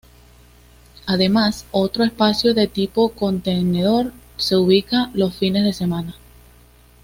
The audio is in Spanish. Además, otro espacio de tipo contenedor se ubica los fines de semana.